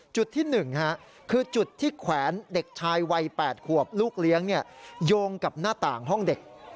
จุดที่๑คือจุดที่แขวนเด็กชายวัย๘ขวบลูกเลี้ยงโยงกับหน้าต่างห้องเด็ก